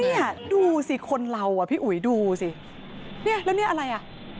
นี่ดูสิคนเราพี่อุ๋ยดูสินี่แล้วนี่อะไรอ่ะ